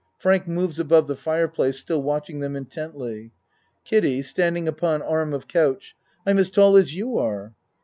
(Frank moves above the fire place still watching them intently.) KIDDIE (Standing upon arm of couch.) I'm as tall as you are.